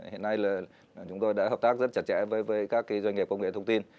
hiện nay là chúng tôi đã hợp tác rất chặt chẽ với các doanh nghiệp công nghệ thông tin